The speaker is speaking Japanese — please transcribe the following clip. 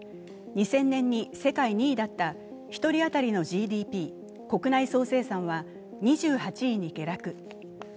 ２０００年に世界２位だった１人当たりのＧＤＰ＝国内総生産は２８位に下落。